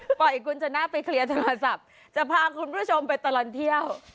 ปล่อยคุณชนะไปเคลียร์โทรศัพท์จะพาคุณผู้ชมไปตลอดเที่ยว